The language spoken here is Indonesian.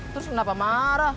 terus kenapa marah